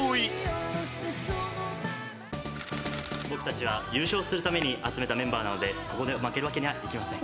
僕たちは優勝するために集めたメンバーなのでここで負けるわけにはいきません。